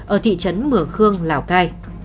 ở thị trấn mường khương lào cai